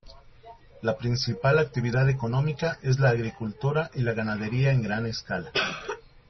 La principal actividad económica es la agricultura y la ganadería en gran escala.